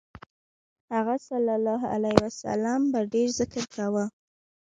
هغه ﷺ به ډېر ذکر کاوه.